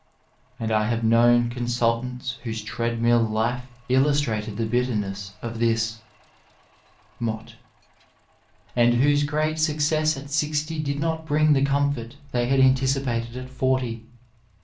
and I have known consultants whose treadmill life illustrated the bitterness of this mot, and whose great success at sixty did not bring the comfort they had anticipated at forty.